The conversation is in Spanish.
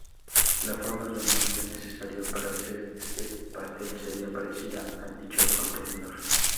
La forma del molde necesario para hacer este pastel sería parecida a dicho contenedor.